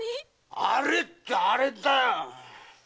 “あれ”って“あれ”だよ！